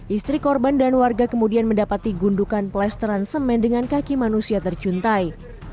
istri korban dan warga kemudian mendapati gundukan pelesteran semen dengan kaki manusia tercuntai